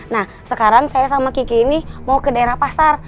nah sekarang saya sama kiki ini mau ke daerah pasar